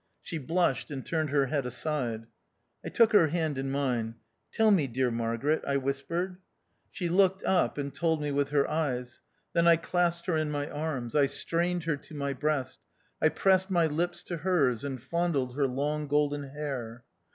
She blushed and turned her head aside. I took her hand in mine. "Tell me, dear Margaret," I whispered. She looked up, and 94 THE OUTCAST. told me with her eyes. Then I clasped her in my arms ; I strained her to my breast ; I pressed my lips to hers, and fondled her long golden hair.